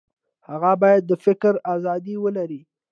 هغه باید د فکر ازادي ولري.